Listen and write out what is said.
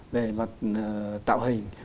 về mặt tạo hình